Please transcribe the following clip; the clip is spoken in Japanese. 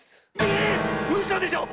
ええ⁉うそでしょ